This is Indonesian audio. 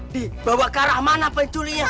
dibawa ke arah mana penculiknya